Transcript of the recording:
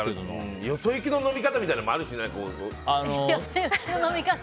よそ行きの飲み方みたいなのもあるしね。